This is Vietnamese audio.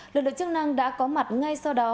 lực lượng chức năng đã có mặt ngay sau đó